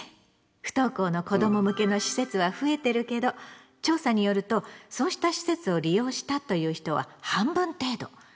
不登校の子ども向けの施設は増えてるけど調査によるとそうした施設を利用したという人は半分程度。